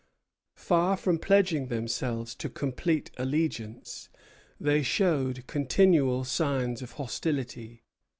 Far from pledging themselves to complete allegiance, they showed continual signs of hostility.